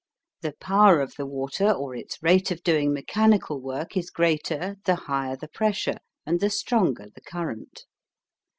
The power of the water or its rate of doing mechanical work is greater the higher the pressure and the stronger the current.